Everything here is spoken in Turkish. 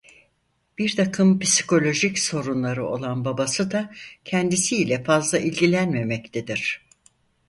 Birtakım psikolojik sorunları olan babası da kendisi ile fazla ilgilenmemektedir.